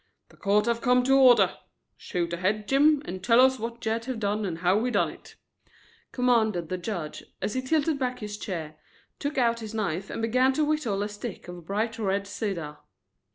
"The court have come to order. Shoot ahead, Jim, and tell us what Jed have done and how he done it," commanded the judge, as he tilted back his chair, took out his knife and began to whittle a stick of bright red cedar.